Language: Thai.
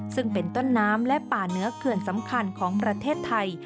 ซึ่งเป็นต้นน้ำและป่าเหนือเขื่อนสำคัญของประเทศไทย